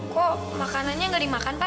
kok makanannya nggak dimakan pak